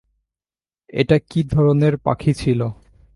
এটা কী ধরনের পাখি ছিল?